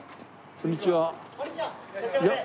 こんにちは。